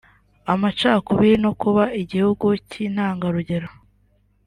amacakubiri no kuba igihugu cy’intangarugero